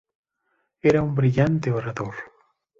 Era un brillante orador.